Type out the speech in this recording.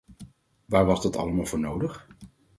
Waar was dat allemaal voor nodig?